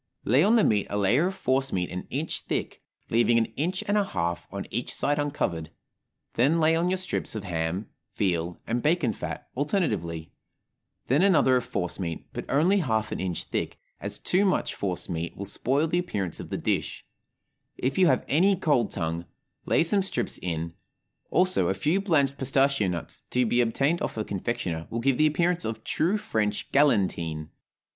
Lay on the meat a layer of force meat an inch thick, leaving an inch and a half on each side uncovered; then lay on your strips of ham, veal, and bacon fat, alternately; then another of force meat, but only half an inch thick, as too much force meat will spoil the appearance of the dish; if you have any cold tongue, lay some strips in, also a few blanched pistachio nuts (to be obtained of a confectioner) will give the appearance of true French galantine.